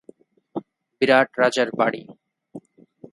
বিরাট রাজার বাড়ি